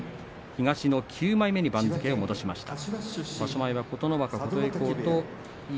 東の９枚目に番付を戻しました。